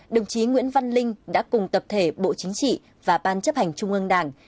đồng chí nguyễn văn linh đã cùng tập thể bộ chính trị và ban chấp hành trung ương đảng